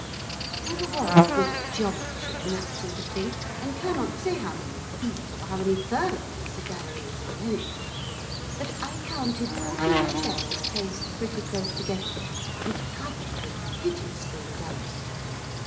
I never was good at geometry and that sort of thing, and cannot say how many feet or how many furlongs the gallery is in length, but I counted fourteen chairs placed pretty close together, and covered with a hideous green damask.